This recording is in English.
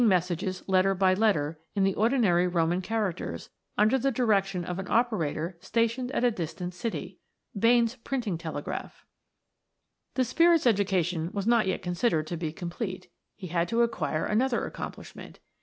messages letter by letter, in the ordinary Roman characters, under the direction of an operator sta tioned at a distant city !* The Spirit's education was not yet considered to be complete he had to acquire another accomplish ment.